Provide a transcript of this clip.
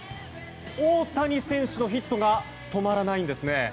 大谷選手のヒットが止まらないんですね。